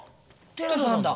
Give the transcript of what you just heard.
寺さんだ！